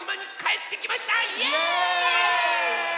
イエーイ！